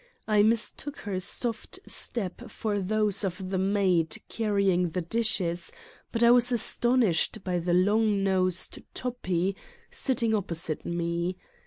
I mistook her soft step for those of the maid carrying the dishes, but I was astonished by the long nosed Toppi, sitting opposite me.